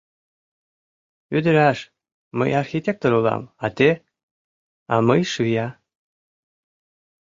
«Ӱдыраш, мый архитектор улам, а те?» — «А мый — швея».